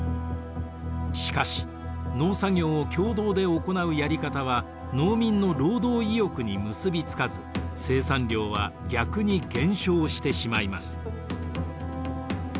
しかし農作業を共同で行うやり方は農民の労働意欲に結び付かず生産量は逆に減少してしまいます。